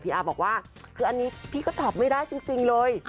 อาบอกว่าคืออันนี้พี่ก็ตอบไม่ได้จริงเลย